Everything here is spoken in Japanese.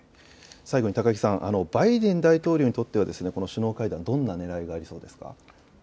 最後に高木さん、バイデン大統領にとっては首脳会談、どんなねらいがありそうですか。